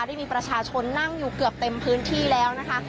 ได้มีประชาชนนั่งอยู่เกือบเต็มพื้นที่แล้วนะคะ